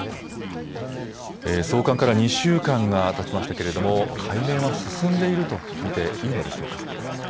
送還から２週間がたちましたけれども解明は進んでいると見ていいのでしょうか。